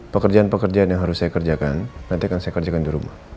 pekerjaan pekerjaan yang harus saya kerjakan nanti akan saya kerjakan di rumah